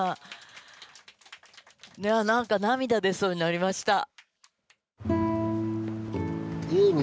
何か涙出そうになりました。